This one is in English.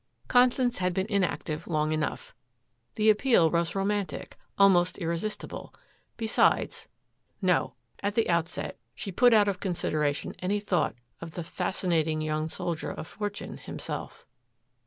Constance had been inactive long enough. The appeal was romantic, almost irresistible. Besides no, at the outset she put out of consideration any thought of the fascinating young soldier of fortune himself.